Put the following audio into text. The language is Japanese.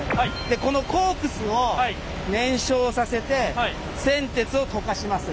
でこのコークスを燃焼させて銑鉄を溶かします。